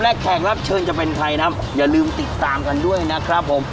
และแขกรับเชิญจะเป็นใครนะครับ